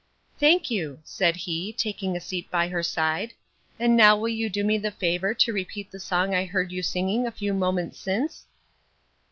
"Thank you," said he, taking a seat by her side. "And now will you do me the favor to repeat the song I heard you singing a few moments since?"